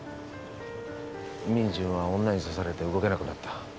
ミンジュンは女に刺されて動けなくなった。